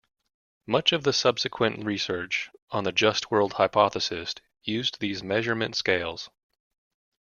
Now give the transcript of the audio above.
Much of the subsequent research on the just-world hypothesis used these measurement scales.